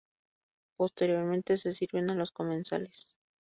Posteriormente se sirven a los comensales.